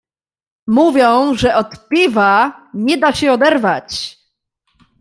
"Mówią, że od piwa nie da się oderwać."